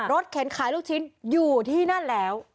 เข็นขายลูกชิ้นอยู่ที่นั่นแล้ว